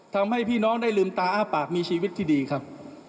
ทำให้พี่น้องได้ลืมตาอ้าปากมีชีวิตที่ดีครับ